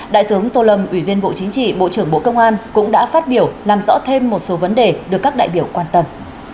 đại tướng tô lâm ủy viên bộ chính trị bộ trưởng bộ công an cũng đã phát biểu làm rõ thêm một số vấn đề được các đại biểu quan tâm